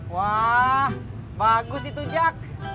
wah bagus itu jak